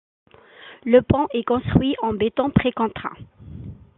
Le pont est construit en béton précontraint.